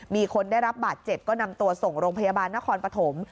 มีคนได้รับบาดเจ็บก็นำตัวส่งโรงพยาบาลนครปฐม